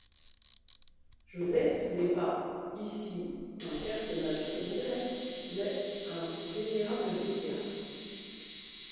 Joseph n'est pas — ici — un personnage secondaire, mais un vénérable vieillard.